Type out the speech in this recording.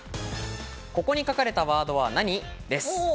「ここに書かれたワードは何？」です。